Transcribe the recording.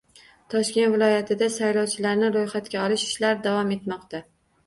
Toshkent viloyatida saylovchilarni ro‘yxatga olish ishlari davom etmoqda